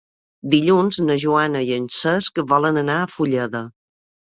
Dilluns na Joana i en Cesc volen anar a Fulleda.